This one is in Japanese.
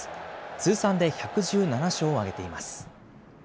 通算で１１７勝を挙げています。